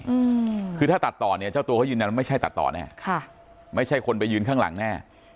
อืมคือถ้าตัดต่อเนี้ยเจ้าตัวเขายืนยันว่าไม่ใช่ตัดต่อแน่ค่ะไม่ใช่คนไปยืนข้างหลังแน่